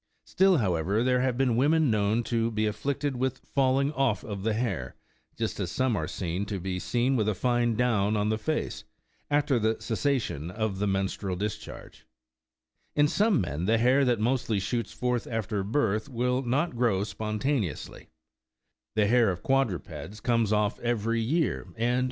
Still however, there have been women known to be afflicted with falling off of the hair, just as some are to be seen with a fine down on the face, after the cessation of the menstrual discharge. In some men the hair that mostly shoots forth after birth will not grow spontane ously. The hair of quadrupeds comes off every year, and ls As already mentioned, this is not the fact. 19 See B. ix*. c.